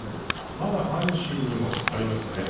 まだ阪神にもありますね。